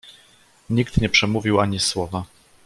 "Nikt nie przemówił ani słowa."